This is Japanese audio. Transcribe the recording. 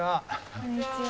こんにちは。